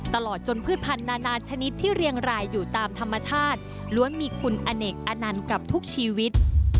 ตลอดจนพืชพันธนานาชนิดที่เรียงรายอยู่ตามธรรมชาติล้วนมีคุณอเนกอนันต์กับทุกชีวิต